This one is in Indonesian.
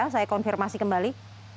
saya konfirmasi kembali